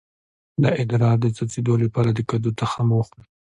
د ادرار د څڅیدو لپاره د کدو تخم وخورئ